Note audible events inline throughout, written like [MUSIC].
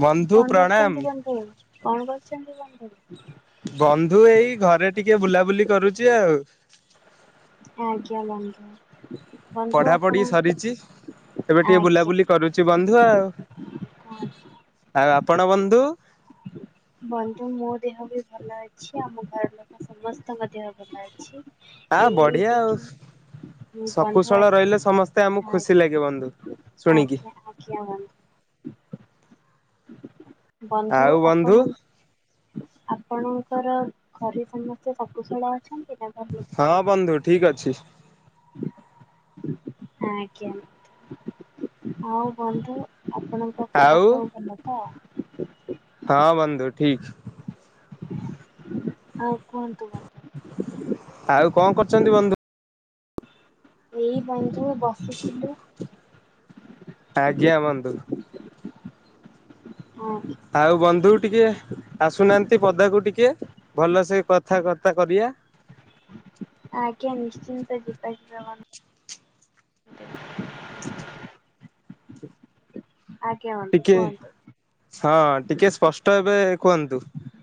ବନ୍ଧୁ ପ୍ରଣାମ। କରୁଚନ୍ତି ବନ୍ଧୁ? କଣ କରୁଚନ୍ତି ବନ୍ଧୁ? ବନ୍ଧୁ ଏଇ ଘରେ ଟିକେ ବୁଲାବୁଲି କରୁଚି ଆଉ। ଆଜ୍ଞା ବନ୍ଧୁ। ବନ୍ଧୁ ପଢା ପଢି ଆପଣ ସରିଚି ଏବେ ଟିକେ ଆଜ୍ଞା ବୁଲାବୁଲି କରୁଚି ବନ୍ଧୁ ଆଉ ଆ ଆଉ ଆପଣ ବନ୍ଧୁ। ବନ୍ଧୁ ମୋ ଦେହ ବି ଭଲ ଅଛି ଆମ ଘର ଲୋକ ସମସ୍ତଙ୍କ ଦେହ ଭଲ ଅଛି। ଆ ଏଇ ବଢିଆ ଆଉ। ଟିକେ ବନ୍ଧୁ ଶକୁଶଳ ଆଜି ରହିଲେ ସମସ୍ତେ ଆମକୁ ଖୁସି ଲାଗେ ଆଜ୍ଞା ବନ୍ଧୁ ଶୁଣିକି [UNINTELLIGIBLE] ବନ୍ଧୁ ଆଉ ଆ ବନ୍ଧୁ ଆପଣଙ୍କର ଘରେ ସମସ୍ତେ ସବୁଶଳ ଅଛନ୍ତି ନା? ଘର ଲୋକ ହଁ ସମସ୍ତେ? ବନ୍ଧୁ ଠିକ ଅଛି। ଆଜ୍ଞା ଆଉ ବନ୍ଧୁ ଆପଣ [UNINTELLIGIBLE] ବର୍ଷ ଆଉ ସବୁ ଭଲ ତ? ହଁ ବନ୍ଧୁ ଠିକ। ଆଉ କୁହନ୍ତୁ କୁହନ୍ତୁ। ଆଉ କଣ କରୁଛନ୍ତି ବନ୍ଧୁ? ଏହି [UNINTELLIGIBLE] ବଜିରୁ ବସିଥିଲୁ। ଆଜ୍ଞା ବନ୍ଧୁ। ହଁ। ଆଉ ବନ୍ଧୁ ଟିକିଏ ଆସୁନାହାନ୍ତି ପଦାକୁ ଟିକିଏ ଭଲସେ କଥାବାର୍ତ୍ତା କରିବା। ଆଜ୍ଞା ନିଶ୍ଚିନ୍ତ [UNINTELLIGIBLE] [INAUDIBLE] ଆଜ୍ଞା ବନ୍ଧୁ ଟିକେ କୁହନ୍ତୁ। ହଁ ଟିକେ ସ୍ପଷ୍ଟ ଏବେ କୁହନ୍ତୁ।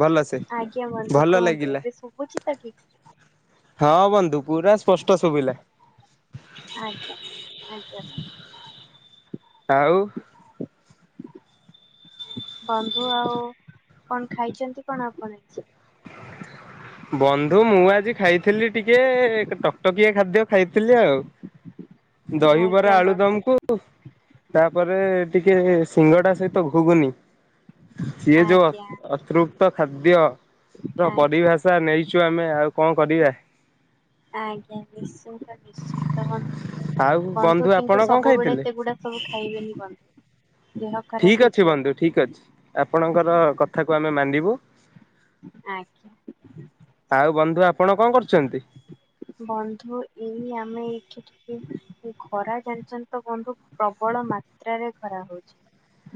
ଭଲସେ। ଆଜ୍ଞା ବନ୍ଧୁ ଭଲ କୁହନ୍ତୁ। ଲାଗିଲା ଏବେ ଶୁଭୁଛି ତ ଠିକ୍ ସେ? ହଁ, ବନ୍ଧୁ ପୁରା ସ୍ପଷ୍ଟ ଶୁଭିଲା। ଆଜ୍ଞା ଆଜ୍ଞା। ଆଉ? ବନ୍ଧୁ ଆଉ କଣ ଖାଇଛନ୍ତି କଣ ଆପଣ ଆଜି? ବନ୍ଧୁ ମୁଁ ଆଜି ଖାଇଥିଲି ଟିକେ ଟକଟକିଆ ଖାଦ୍ୟ ଖାଇଥିଲି ଆଉ। ଦହିବରା, ଆଜ୍ଞା ଆଳୁ ବନ୍ଧୁ ଦମକୁ ତାପରେ ଟିକେ ସିଙ୍ଗଡ଼ା ସହିତ ଘୁଗୁନି। ସିଏ ଯୋଉ ଆଜ୍ଞା ଅତୃପ୍ତ ଖାଦ୍ୟ ର ଆଜ୍ଞା। ପରିଭାଷା। [INAUDIBLE] ଆଜ୍ଞା ନିଶ୍ଚିତ ନିଶ୍ଚିତ ବନ୍ଧୁ। ଆଉ ବନ୍ଧୁ ଆପଣ କିନ୍ତୁ କଣ ସବୁବେଳେ ଖାଇଥିଲେ? ସେଗୁଡା ସବୁ ଖାଇବେନି ବନ୍ଧୁ। ଦେହ ଖରାପ ଠିକ ଅଛି ହେଇଯିବ ବନ୍ଧୁ ଠିକ ଅଛି ଆପଣଙ୍କର କଥାକୁ ଆମେ ମାନିବୁ। ଆଜ୍ଞା। ଆଉ ବନ୍ଧୁ ଆପଣ କଣ କରୁଛନ୍ତି? ବନ୍ଧୁ ଏଇ ଆମେ ଏଇଠି ଖରା ଜାଣିଛନ୍ତି ତ ବନ୍ଧୁ ପ୍ରବଳ ମାତ୍ରାରେ ଖରା ହଉଛି।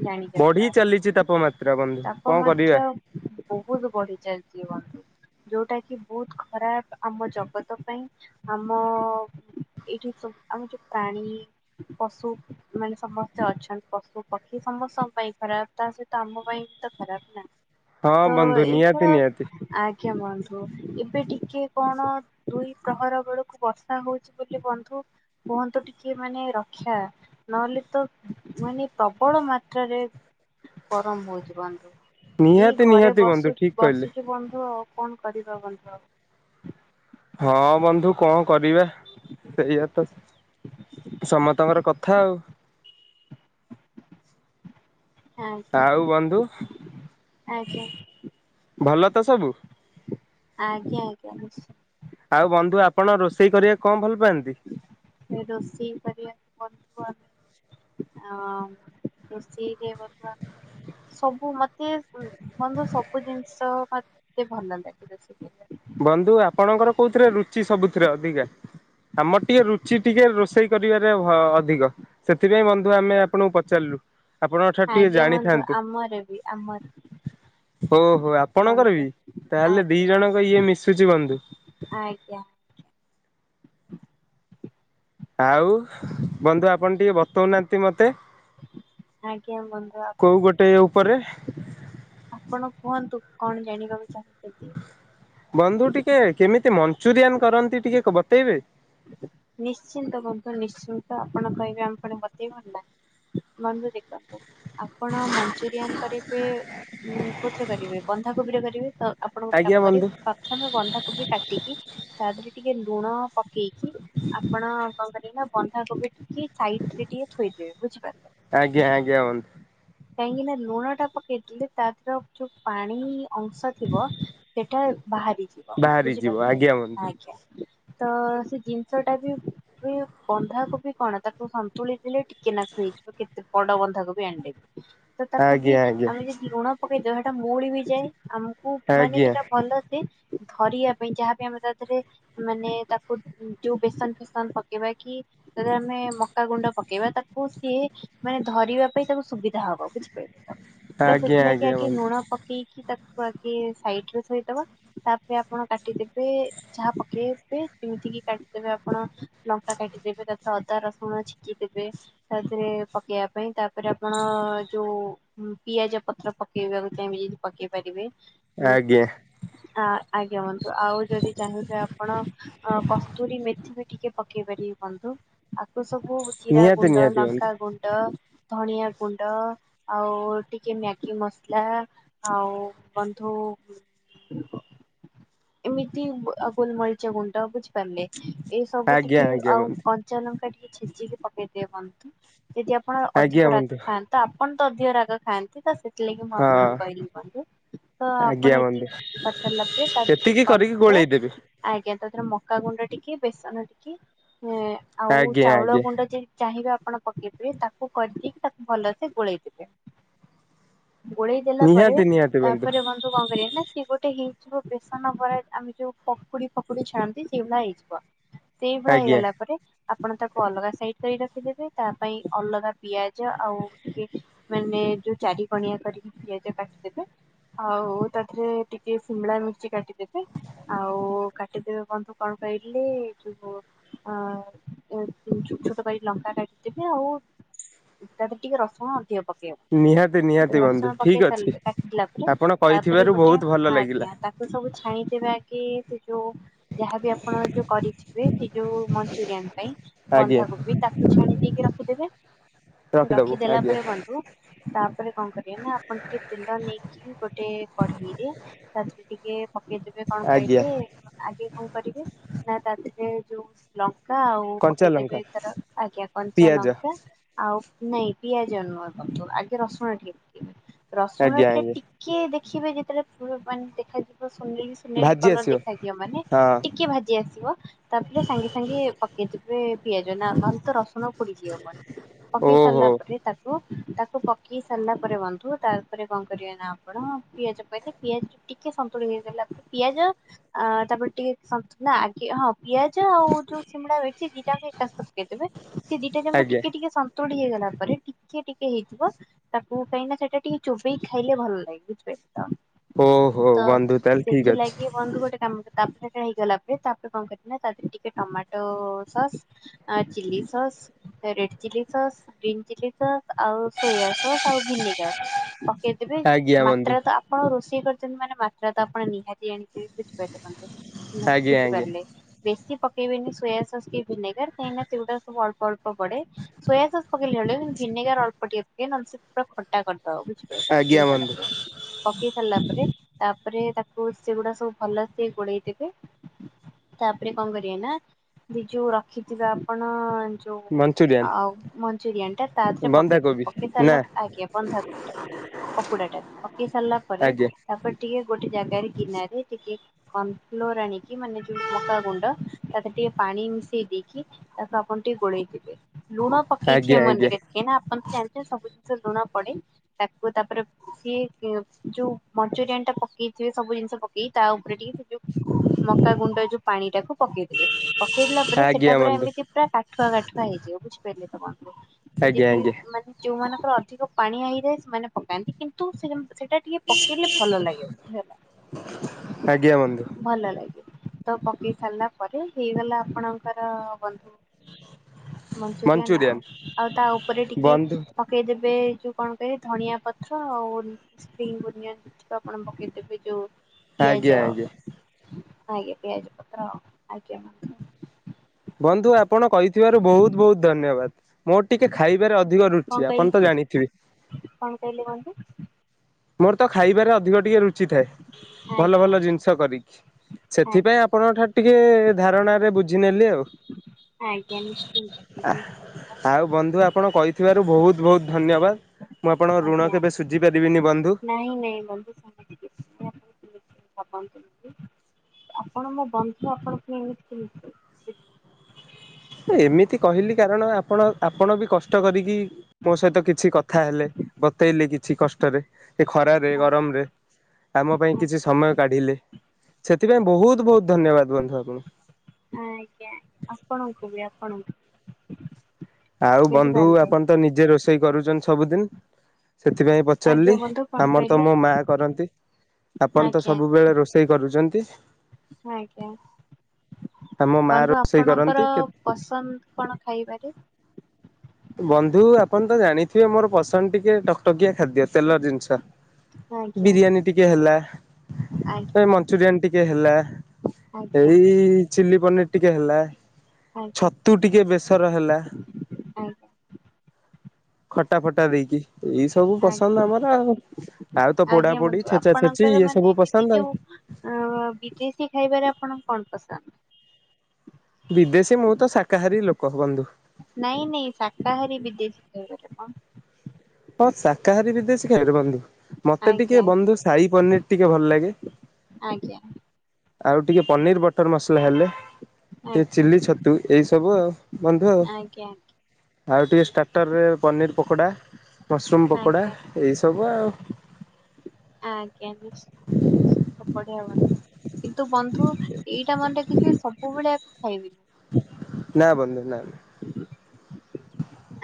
ଜାଣିଛନ୍ତି ତ ବଢ଼ି ଆପଣ ଚାଲିଛି ତାପମାତ୍ରା ବନ୍ଧୁ, କଣ କରିବା? ତାପମାତ୍ରା ବହୁତ ବଢ଼ି ଚାଲଛିି ବନ୍ଧୁ। ଯୋଉଟା କି ବହୁତ ଖରାପ ଆମ ଜଗତ ପାଇଁ। ଆମ ଏଇଠି ସବୁ ଆମେ ଯୋଉ ପାଣି ପଶୁ ମାନେ ସମସ୍ତେ ଅଛନ୍ତି ପଶୁ, ପକ୍ଷୀ ସମସ୍ତଙ୍କ ପାଇଁ ଖରାପ ତା ସହିତ ଆମ ପାଇଁ ଖରାପ ନା। ହଁ ବନ୍ଧୁ ନିହାତି ନିହାତି ତ [UNINTELLIGIBLE] ଆଜ୍ଞା ବନ୍ଧୁ, ଏବେ ଟିକେ କଣ ଦୁଇ ପ୍ରହର ବେଳକୁ ବର୍ଷା ହଉଛି ବୋଲି ବନ୍ଧୁ କୁହନ୍ତୁ ଟିକେ ମାନେ ରକ୍ଷା। ନହେଲେ ତ ମାନେ ପ୍ରବଳ ମାତ୍ରାରେ ଗରମ ହ ବନ୍ଧୁ ଏଇ ନିହାତି ଘରେ ନିହାତି ବନ୍ଧୁ ବସ ଠିକ କହିଲେ ବସିଛୁ ବନ୍ଧୁ ଆଉ କଣ କରିବା ବନ୍ଧୁ ଆଉ। ହଁ ବନ୍ଧୁ କଣ କରିବା ସେଇଆ ତ ସମସ୍ତଙ୍କର କଥା ଆଉ। ଆଜ୍ଞା ଆଉ ବନ୍ଧୁ ଆଜ୍ଞା ଭଲ ତ ସବୁ? ଆଜ୍ଞା ଆଜ୍ଞା ନିଶ୍ଚୟ। ଆଉ ବନ୍ଧୁ ଆପଣ ରୋଷେଇ କରିବାକୁ କଣ ଭଲ ପାଆନ୍ତି? ରୋଷେଇ କରିବାକୁ ବନ୍ଧୁ ଆମେ ଅଁ ରୋଷେଇ ରେ ବନ୍ଧୁ ଆମେ ସବୁ ମତେ ବନ୍ଧୁ ସବୁ ଜିନିଷ ମତେ ଭଲ ଲାଗେ। ବନ୍ଧୁ ଆପଣଙ୍କର କୋଉଥିରେ ରୁଚି ସବୁଥିରେ ଅଧିକା? ଆମର ଟିକେ ରୁଚି ଟିକେ ରୋଷେଇ କରିବାରେ ଅଧିକ। ସେଥିପାଇଁ ବନ୍ଧୁ ଆମେ ଆପଣଙ୍କୁ ପଚାରିଲୁ। ଆପଣଙ୍କ ଠାରୁ ଟିକେ ଆଜ୍ଞା ବନ୍ଧୁ ଜାଣିଥାନ୍ତୁ। ଆମର ବି ଆମର ଓହୋଃ ଆପଣଙ୍କର ବନ୍ଧୁ ବି, ତାହେଲେ ଦି ଆଜ୍ଞା ଜଣଙ୍କ ଇଏ ମିଶୁଛି ବନ୍ଧୁ। ଆଜ୍ଞା। ଆଉ ବନ୍ଧୁ ଆପଣ ଟିକେ ବତଉନାହାନ୍ତି ମତେ। ଆଜ୍ଞା ବନ୍ଧୁ ଆ କୋଉ ଗୋଟେ ଉପରେ। ଆପଣ କୁହନ୍ତୁ କଣ ଜାଣିବାକୁ ଚାହୁଁଚନ୍ତି? ବନ୍ଧୁ ଟିକେ କେମିତି ମଞ୍ଚୁରିଆନ କରନ୍ତି ଟିକେ ବତେଇବେ? ନିଶ୍ଚିନ୍ତ ବନ୍ଧୁ ନିଶ୍ଚିନ୍ତ ଆପଣ କହିବେ ଆମ ଫୁଣି ବତେଇବୁନି ନା। ବନ୍ଧୁ ଦେଖନ୍ତୁ ଆପଣ ମଞ୍ଚୁରିଆନ କରିବେ ଉଁ କୋଉଥିରେ କରିବେ ବନ୍ଧାକୋବିରେ କରିବେ ତ ଆପଣ ଗୋଟେ ଆଜ୍ଞା କାମ ବନ୍ଧୁ କରିବେ ପା ଥମେ ବନ୍ଧାକୋବି କାଟିକି ତା ଦେହରେ ଟିକେ ଲୁଣ ପକେଇକି ଆପଣ କଣ କରିବେ ନା ବନ୍ଧାକୋବି ଟିକି ସାଇଟ୍ ରେ ଟିକେ ଥୋଇଦେବେ ବୁଝିପାରିଲେ। ଆଜ୍ଞା ଆଜ୍ଞା ବନ୍ଧୁ। କାହିଁକି ନା ଲୁଣ ଟା ପକେଇଥିଲେ ତା ଦେହର ଯୋଉ ପାଣି ଅଂଶ ଥିବ ସେ ଏଟା ବାହାରିଚି ବାହାରିଯିବ ଆଜ୍ଞା ବନ୍ଧୁ। ତ ସେଇ ଜିନିଷ ଟା ବି ବି ବନ୍ଧାକୋବି କଣ ତାକୁ ସନ୍ତୁଳି ଦେଲେ ଟିକେ ନାକୁ ହେଇଯିବ କେତେ ବଡ ବନ୍ଧାକୋବି ଆଣିଲେ ବି ତ ତାକୁ ବି ଆଜ୍ଞା ଆଜ୍ଞା ଆମେ ଯଦି ଲୁଣ ପକେଇଦବା ସେଟା ମୋଉଳି ବି ଯାଏ ଆମୁକୁ ମାନେ ଆଜ୍ଞା ସେଟା ଭଲ ସେ ଧରିବା ପାଇଁ ଯାହାବି ଆମେ ତା ଦେହରେ ମାନେ ତାକୁ ଯୋଉ ବେସନ ଫେସନ ପକେଇବା କି ଯଦି ଆମେ ମକା ଗୁଣ୍ଡ ପକେଇବା ତାକୁ ସିଏ ମାନେ ଧରିବା ପାଇଁ ତାକୁ ସୁବି ଧା ହବ ବୁଝିପାଇଲେ ତ ତ ଆଜ୍ଞା ସେଥିଲାଗି ଆଜ୍ଞା ଆଗେ ବନ୍ଧୁ। ଲୁଣ ପ କେଇକି ତାକୁ ଆଗେ ସାଇଡ ରେ ଥୋଇଦବା ତାପରେ ଆପଣ କାଟିଦେବେ ଯାହା ପକେଇବେ ଯେମିତି କିି କାଟିଦବେ ଆପଣ ଲଙ୍କା କାଟିଦେବେ ତାଧିଅରେ ଅଦା ରସୁଣ ଛିଙ୍କିଦେବେ। ତାଥିରେ ପକେଇବା ପାଇଁ ତାପରେ ଆପଣ ଅ ଯୋଉ ପିଆଜ ପତ୍ର ପକେଇବାକୁ ଚାହିଁବେ ଯଦି ପକେଇ ପାରିବେ ହୁଁ। ଆଜ୍ଞା ଆ ଆଜ୍ଞା ବନ୍ଧୁ ଆଉ ଯଦି ଚାହିଁବେ ଆପଣ ଅଁ କସ୍ତୁରୀ ମେଥି ବି ଟିକେ ପକେଇପାରିବେ ବନ୍ଧୁ ଆକୁ ସବୁ ଜିରା ନିହାତି ଗୁଣ୍ଡ, ନିହାତି ବନ୍ଧୁ ଲଙ୍କା ଗୁଣ୍ଡ ଧଣିଆ ଗୁ ଣ୍ଡ ଆଉ ଟିକେ ମ୍ୟାଗି ମସଲା ଆଉ ବନ୍ଧୁ ଏମିତି ଗୋଲମରିଚ ଗୁଣ୍ଡ ବୁଝିପାରିଲେ ଏ ସବୁ ଆଜ୍ଞା ଟିକେ ଆଜ୍ଞା ଆଉ ବନ୍ଧୁ କ ଞ୍ଚା ଲଙ୍କା ଟିକେ ଛେଚିକି ପକେଇଦେବେ ବନ୍ଧୁ ଯଦି ଆପଣ ଆଜ୍ଞା ଅଧିକ ବନ୍ଧୁ। ରାଗ ତ ଆପଣ ତ ଅଧିକ ରାଗ ଖାଆନ୍ତି ତ ସେ ଥିଲାଗି ମୁଁ ହଁ ଆପଣଙ୍କୁ କଇଲି ବନ୍ଧୁ ତ ଆଜ୍ଞା ଆପଣ ବନ୍ଧୁ ଏତିକି କରସାରିଲା ପରେ ତା ଧିଅରେ ଟିକେ ଏତିକି କନ୍ କରିକି ଗୋଳେଇ ଫ୍ଲୋର୍ ଦେବେ ଆଜ୍ଞା ତା ଦେହରେ ମକା ଗୁଣ୍ଡ ଟିକେ ବେସନ ଟିକେ ଆଉ ଆଜ୍ଞା ଚାଉଳ ଆଜ୍ଞା। ଗୁଣ୍ଡ ଯେ ଚାହିଁବେ ଆପଣ ପକେଇପାରିବେ ତାକୁ କରିଦେଇକି ତାକୁ ଭଲସେ ଗୋଳେଇ ଦେବେ। ଗୋଳେଇ ଦେଲା ପରେ ନିହାତି ନିହାତି ତାପରେ ବନ୍ଧୁ କଣ କରିବେ ନା ସିଏ ଗୋ ଟେ ହେଇଯିବ ବେସନ ବରା ଆମେ ଯୋଉ ପକୁଡି ଫକୁଡି ଛାଣନ୍ତି ସେଇଭଳିଆ ହେଇଯିବ। ସେଇଭଳିଆ ଆଜ୍ଞା ହେଇଗଲା ପରେ ଆପଣ ତାକୁ ଅଲଗା ସାଇଡ କରି ରଖିଦେବେ ତା ପାଇଁ ଅଲଗା ପିଆ ଜ ଆଉ ଟିକେ ମାନେ ଜୋଉ ଚାରିକଣିଆ କରିକି ପିଆଜ କାଟିଦେବେ। ଆଉ ତା ଧିଅରେ ଟିକେ ଶିମିଳା ମିର୍ଚି କାଟିଦେବେ ଆଉ କା ଟି ଦେବେ ବନ୍ଧୁ କଣ କହିଲି ଯୋଉ ଅ ଏ ଯୋଉ ଛୋଟ ଛୋଟ କରିକି ଲଙ୍କା କାଟିଦେବେ ଆଉ ତା ଥିରେ ଟିକେ ରଶୁଣ ଅଧିକ ପକେଇବେ। ନିହାତି ନିହାତି ରସୁଣ ବନ୍ଧୁ ପକେଇ ଠିକ ଅଛି ସାରିଲା କାଟିଦେଲା ପରେ ଆପଣ କହିଥିବାରୁ ବହୁତ ଭଲ ଲାଗିଲା। ତ ସବୁ ଛାଣିଦବା କି ସେ ଯୋଉ ଯାହାବି ଆପଣ ଯୋଉ କରିଥିବେ ସେ ଯୋଉ ମଞ୍ଚୁରିଆନ ପାଇଁ ଆଜ୍ଞା ବନ୍ଧାକୋବି ତାକୁ ଛାଣି ଦେଇକି ରଖିଦେବେ ରଖିଦବୁ ରଖିଦେଲା ଆଜ୍ଞା ପରେ ବନ୍ଧୁ ତାପରେ କଣ କରିବେ ନା ଆପଣ ଟିକେ ତେଲ ନେଇକି ଗୋଟେ କଢେଇରେ ତାଥିରେ ଟିକିଏ ପକେଇଦେବେ କଣ ଆଜ୍ଞା କହିଲେ ଆଗେ କଣ କରିବେ ନା ତା ଦିହରେ ଯୋଉ ଲଙ୍କା ଆଉ କଞ୍ଚା ଲଙ୍କା ପକେଇଦେବେ ତାର ଆଜ୍ଞା କଞ୍ଚା ପିଆଜ ଲଙ୍କା ଆଉ ନାଇଁ ପିଆଜ ନୁହେଁ ବନ୍ଧୁ ଆଗେ ରଶୁଣ ଟିକେ ପକେଇବେ ରଶୁଣ ଆଜ୍ଞା ଏଠେ ଆଜ୍ଞା ଟି ଟିକିଏ ଦେଖିବେ ଯେତେବେଳେ ମାନେ ଦେଖାଯିବ ସୁନେଲି ସୁନେଲୀ ଭାଜି କଲର ଆସିବ ଦେଖାଯିବ ମାନେ ହଁ ଟିକେ ଭାଜି ଆସିବ ତାପରେ ସାଙ୍ଗେ ସାଙ୍ଗେ ପକେଇଦେବେ ପିଆଜ ନା ନହେଲେ ତ ରଶୁଣ ସୁଣ ପୋଡ଼ିଯିବ ପୂଣି ପକେଇସାରିଲା ଓହୋ ପରେ ଏବେ ତାକୁ ତାକୁ ପକେଇ ସାରିଲା ପରେ ବନ୍ଧୁ ତା ପରେ କଣ କରିବେ ନା ଆପଣ ପିଆଜ ପକେଇ ପିଆଜ ଟିକେ ସନ୍ତୁଳି ହେଇଗଲା ପିଆଜ ଆ ତାପରେ ଟିକିଏ ନା ଆଗେ ହଁ ପିଆଜ ଆଉ ଯୋଉ ସିମିଳା ମିର୍ଚି ଦି ଟାଙ୍କ ଏକା ସହିତ ପକେଇ ଦେବେ ସେ ଦିଟା ଯାଙ୍କ ଆଜ୍ଞା ଟିକେ ଟିକେ ସନ୍ତୁଳି ହେଇଗଲା ପରେ ଟିକେ ଟିକେ ହେଇଥିବ ତାକୁ କାଇଁନା ସେଇଟା ଟିକେ ଚୋବେଇ ଖାଇଲେ ଭଲଲାଗେ ବୁଝିପାଇଲେତ। ଓହୋ ବନ୍ଧୁ ତାହେଲେ ଠିକ ଅଛି। ବନ୍ଧୁ ଗୋଟେ ତାପରେ ହେଇଗଲା ପରେ ତାପରେ କଣ କରିବ ନା ତା ଦେହରେ ଟିକେ ଟମାଟୋ ସସ ଆ chilli sauce red chilli sauce green chilli sauce ଆଉ ସୋୟା ସସ୍ ଆଉ ଭିନେଗାର ପକେଇ ଦେବେ ଆଜ୍ଞା ବନ୍ଧୁ ମାତ୍ରା ତ ଆପଣ ରୋଷେଇ କରିଛନ୍ତି ମାନେ ମାତ୍ରା ତ ଆପଣ ନିହାତି ଜାଣିଥିବେ ବୁଝିପାରୁଚନ୍ତି ଆଜ୍ଞା ଆଜ୍ଞା ବୁଝିପାରିଲେ ବେଶୀ ପକେଇବେନି ସୋୟା ସସ୍ କି ଭିନେଗାର କାଇଁ ନା ସେଗୁଡା ସବୁ ଅଳ୍ପ ଅଳ୍ପ ଅଳ୍ପ ପଡେ ସୋୟା ସସ୍ ପକେଇଲା ବେଳେ ଭିନେଗାର ଅଳ୍ପ ଟିକିଏ ପକେଇବେ ନ ହେଲେ ସେ ପୁରା ଖଟା ଖଟା କରିଦେବ ବୁଝିପାଇଲେ ଆଜ୍ଞା ବନ୍ଧୁ ‌ଜିନିଷ ଟାକୁ ପକେଇ ସାରିଲା ପରେ ତାପରେ ତାକୁ ସେଗୁଡା ସବୁ ଭଲ ସେ ଗୋଳେଇ ଦେବେ ତାପରେ କଣ କରିବାନା ଦ ଯୋଉ ରଖିଥିବା ଆପଣ ଯୋଉ ମଞ୍ଚୁରିଆନ୍ ଆଉ ମଞ୍ଚୁରିଆନ ଟା ତା ଥିରେ ପକେଇବେ ବନ୍ଧାକୋବି ନା ପକେଇସାରିଲା ପରେ ଆଜ୍ଞା ବନ୍ଧାକୋବି ଟା ପକୋଡାଟା କୁ ପକେଇ ସାରିଲା ପରେ ଆଜ୍ଞା ତା ପରେ ଟିକେ ଗୋଟେ ଜାଗାରେ ଗିନାରେ ଟିକେ କନ ଫ୍ଲୋର ଆଣିକି ମାନେ ଯୋଉ ମକା ଗୁଣ୍ଡ ତା ଟିକେ ପାଣି ମିଶେଇ ଦେଇକି ତାକୁ ଆପଣ ଟିକେ ଗୋଳେଇଦେବେ ଲୁଣ ପକେଇଥିବେ ଆଜ୍ଞା ଆଜ୍ଞା ମନେକରି କାଇଁ ନା ଆପଣ ତ ଜାଣିଥିବେ ସବୁ ଜିନିଷ ରେ ଲୁଣ ପଡେ ତାକୁ ତା ପରେ ସିଏ ଯୋଉ ମଞ୍ଚୁରିଆନ ଟା ପକେଇଥିବେ ସବୁ ଜିନିଷ ପକେଇ ତା ଉପରେ ଟିକେ ସେ ଯୋଉ ମକା ଗୁଣ୍ଡ ଯୋଉ ପାଣି ଟାକୁ ପକେଇଦେବେ ପକେଇଦଲା ପରେ ସେଟା ଆଜ୍ଞା ପୁରା ବନ୍ଧୁ ଏମିତି ପୁରା କାଠୁଆ କାଠୁଆ ହେଇଯିବ। ବୁଝିପାରିଲେ ତମ ସେ ଆଜ୍ଞା ଯଦି ଆଜ୍ଞା ମାନେ ଯୋଉମାନଙ୍କର ଅଧିକ ପାଣିଆ ହେଇଯାଏ ସେମାନେ ପକାନ୍ତି କିନ୍ତୁ ସେ ସେଟା ଟିକେ ପକେଇଲେ ଭଲ ଲାଗିବ ବୁଝି ହେଲା? ଆଜ୍ଞା ବନ୍ଧୁ ଭଲ ଲାଗେ ତ ପକେଇ ସାରିଲା ପରେ ହେଇଗଲା ଆପଣଙ୍କର ବନ୍ଧୁ? ମଞ୍ଚୁରିଆନ ଆଉ ମଞ୍ଚୁରିଆନ୍ ଆଉ ତା ଉପରେ ଟିକେ ବନ୍ଧୁ ପକେଇଦେବେ ଏ ଯୋଉ କଣ କହିବେ ଧଣିଆ ପତ୍ର ଆଉ ସ୍ପିନ୍ ଓନିଓନ କିଛି ଟା ଆପଣ ପକେଇ ଦେବେ ଯୋଉ ଆଜ୍ଞା ପିଆଜ ଆଜ୍ଞା ଆଜ୍ଞା ପିଆଜ ପତ୍ର ଆଜ୍ଞା। ବନ୍ଧୁ ଆପଣ କହିଥିବାରୁ ବହୁତ ବହୁତ ଧନ୍ୟବାଦ। ମୋର। ଟିକେ ଖାଇବାରେ ଅଧିକ କଣ ରୁଚି କହିଲେ? ଆପଣ ତ ଜାଣିଥିବେ? କଣ କହିଲେ କୁହନ୍ତୁ ମୋର ତ ଖାଇବାରେ ଅଧିକ ଟିକେ ରୁଚି ଥାଏ। ଭଲ ଆଜ୍ଞା ଭଲ ଜିନିଷ କରିକି। ସେଥିପାଇଁ ଆଜ୍ଞା ଆପଣଙ୍କ ଠାରୁ ଟିକିେ ଧାରଣାରେ ବୁଝିିନେଲି ଆଉ। ଆଜ୍ଞା ନିଶ୍ଚିନ୍ତ। ନିଶ୍ଚିନ୍ତ ଆଉ ବନ୍ଧୁ ଆପଣ କହିଥିବାରୁ ବହୁତ ବହୁତ ଧନ୍ୟବାଦ। ମୁଁ ଆପଣଙ୍କ ଋଣ ଆଜ୍ଞା କେବେ ଆଜ୍ଞା ସୁଝିପାରିବିନି ବନ୍ଧୁ। ନାଇଁ ନାଇଁ ବନ୍ଧୁ। ହଁ। ଭାବନ୍ତୁ ଆପଣ ମୋ ବନ୍ଧୁ ଆପଣଙ୍କୁ ଏମିତି କେମତି ଏମିତି କହିଲି କାରଣ ଆପଣ ଆପଣ ବି କଷ୍ଟ କରିକି ମୋ ସହିତ କିଛି କଥା ହେଲେ ବତେଇଲେ କିଛି କଷ୍ଟରେ। ସେ ଖରାରେ ଆଜ୍ଞା ଗରମ ରେ। ଆମ ପାଇଁ କିଛି ସମୟ କାଢିଲେ ସେଥିପାଇଁ ବହୁତ ବହୁତ ଧନ୍ୟବାଦ ବନ୍ଧୁ ଆପଣଙ୍କୁ। ହଁ ଆଜ୍ଞା ଆପଣଙ୍କୁ ବି ଆପଣଙ୍କୁ। ଆଉ ବନ୍ଧୁ ବୁଝିପାରିଲେ ଆପଣ ତ ନିଜେ ରୋଷେଇ କରୁଛନ୍ତି ସବୁଦିନ? ସେଥିପାଇଁ ପଚାରିଲି। ଆଜ୍ଞା ବନ୍ଧୁ କଣ ଆମର ତ କହିଲେ ମୋ ମା କରନ୍ତି। ଆପଣ ତ ସବୁବେଳେ ରୋଷେଇ କରୁଛନ୍ତି। ହଁ ଆଜ୍ଞା ଆମ ମା ବନ୍ଧୁ ରୋଷେଇ କରନ୍ତି ଆପଣଙ୍କର କେ ପସନ୍ଦ କଣ ଖାଇବାରେ? ବନ୍ଧୁ ଆପଣ ତ ଜାଣିଥିବେ ମୋର ପସନ୍ଦ ଟିକେ ଟକଟକିଆ ଖାଦ୍ୟ ତେଲ ଜିନିଷ। ଆଜ୍ଞା ବିରିୟାନୀ ଟିକେ ହେଲା। ଏ ଆଜ୍ଞା ମଞ୍ଚୁରିଆନ ଟିକେ ହେଲା। ଆଜ୍ଞା ଏଇ ଚିଲ୍ଲି ପନିର ଟିକେ ହେଲା। ଛତୁ ଟିକେ ବେଶ ର ହେଲା। ଆ ଖଟା ଫଟା ଦେଇକି ଏଇ ସବୁ ଆଜ୍ଞା ପସନ୍ଦ ଆମର ଆଉ। ଆଉ ତ ପୋଡା ଆଜ୍ଞା ପୋଡି ବନ୍ଧୁ ଛେଚା ଛେଚି ଇଏ ସବୁ ପସନ୍ଦ ଆଉ। ଆ ବିଦେଶୀ ଖାଇବାରେ ଆପଣ କଣ ପସନ୍ଦ? ବିଦେଶୀ ମୁଁ ତ ଶାକାହାରୀ ଲୋକ ବନ୍ଧୁ। ନାଇଁ ନାଇଁ ଶାକାହାରୀ ବିଦେଶୀ ସିଏ ଗୋଟେ କଣ? ହଁ ଶାକାହାରୀ ବିଦେଶୀ ଖାଇବ ବନ୍ଧୁ ମତେ ଟିକେ ଆଜ୍ଞା ବନ୍ଧୁ ସାହି ପନିର ଟିକେ ଭଲ ଲାଗେ। ଆଜ୍ଞା। ଆଉ ଟିକେ ପନିର ବଟର ମସଲା ହେଲେ। ଏ ଆଜ୍ଞା ଚିଲି ଛତୁ ଏଇ ସବୁ ଆଉ ବନ୍ଧୁ ଆଉ। ଆଜ୍ଞା ଆଉ ଟିକେ ଷ୍ଟାର୍ଟରରେ ପନିର୍ ପକୋଡ଼ା ମସରୁମ୍ ପକୋଡ଼ା ଆଜ୍ଞା ଏଇସବୁ ଆଉ ଆଜ୍ଞା। ବଢ଼ିଆ ବନ୍ଧୁ। କିନ୍ତୁ ବନ୍ଧୁ ଏଇଟା ମନେରଖି ଥିବେ ସବୁବେଳେ ଆକୁ ଖାଇବିନି। ନା ବନ୍ଧୁ ନା।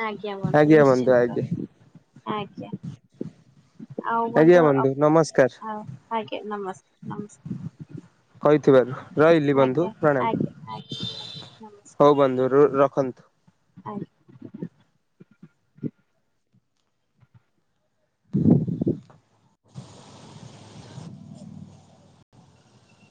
ଆଜ୍ଞା ବନ୍ଧୁ ଆଜ୍ଞା ନିଶ୍ଚିନ୍ତ ଆଜ୍ଞା ଆଜ୍ଞା। ଆଉ ଆଜ୍ଞା ବନ୍ଧୁ ନମସ୍କାର ଆଜ୍ଞ ନମସ୍କାର ନମସ୍କାର। କହିଥିବାରୁ ରହିଲି ବନ୍ଧୁ ଆଜ୍ଞା ପ୍ରଣାମ ଆଜ୍ଞା ଆଜ୍ଞା ଆଜ୍ଞା ନମସ୍କାର ହଉ ବନ୍ଧୁ ରଖନ୍ତୁ। ଆଜ୍ଞା। ହଁ।